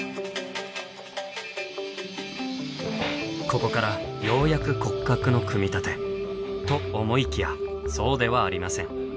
ここからようやく骨格の組み立てと思いきやそうではありません。